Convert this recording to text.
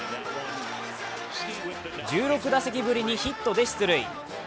１６打席ぶりにヒットで出塁。